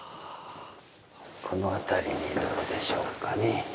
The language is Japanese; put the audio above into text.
この辺りにどうでしょうかね。